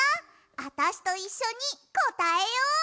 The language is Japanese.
あたしといっしょにこたえよう！